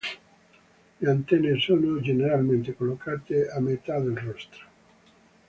Le antenne sono generalmente collocate a metà del rostro.